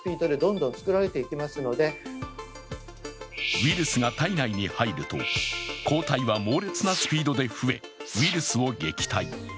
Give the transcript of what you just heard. ウイルスが体内に入ると、抗体は猛烈なスピードで増え、ウイルスを撃退。